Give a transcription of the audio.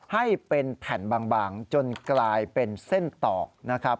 ให้เป็นแผ่นบางจนกลายเป็นเส้นตอกนะครับ